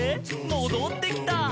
もどってきた」